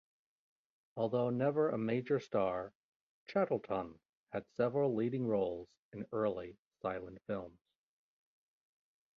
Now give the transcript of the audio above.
Although never a major star, Chatterton had several leading roles in early silent films.